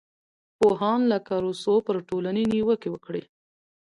پوهان لکه روسو پر ټولنې نیوکې وکړې.